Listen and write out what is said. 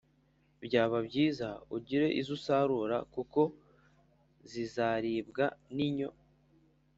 Byaba byiza ugire izo usarura kuko zizaribwa n’inyo